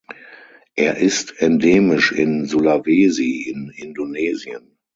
Er ist endemisch in Sulawesi in Indonesien.